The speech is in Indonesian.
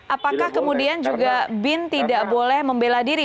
apakah kemudian juga bin tidak boleh membela diri